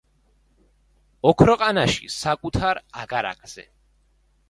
ოქროყანაში, საკუთარ აგარაკზე.